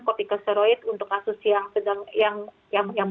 kotikosteroid untuk kasus yang